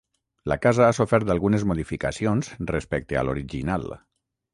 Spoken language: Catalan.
La casa ha sofert algunes modificacions respecte a l'original.